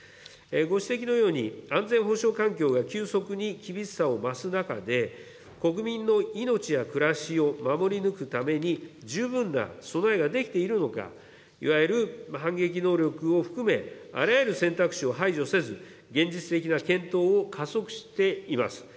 ご指摘のように、安全保障環境が急速に厳しさを増す中で、国民の命や暮らしを守り抜くために十分な備えができているのか、いわゆる反撃能力を含め、あらゆる選択肢を排除せず、現実的な検討を加速しています。